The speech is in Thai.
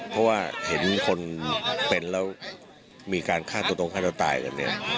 เพราะว่าเห็นคนเป็นแล้วมีการฆ่าตัวตรงฆ่าเราตายกันเนี่ย